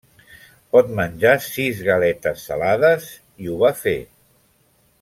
Pot menjar sis galetes salades, i ho va fer.